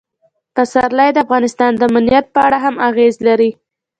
پسرلی د افغانستان د امنیت په اړه هم اغېز لري.